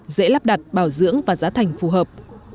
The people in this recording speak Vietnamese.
dễ lắp đặt bảo dưỡng và giá thành phù hợp